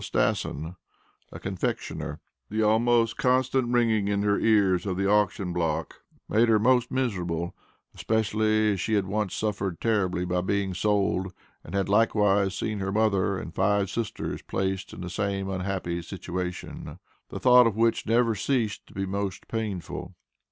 Stasson, a confectioner. The almost constant ringing in her ears of the auction block, made her most miserable, especially as she had once suffered terribly by being sold, and had likewise seen her mother, and five sisters placed in the same unhappy situation, the thought of which never ceased to be most painful.